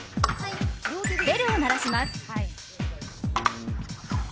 ベルを鳴らします。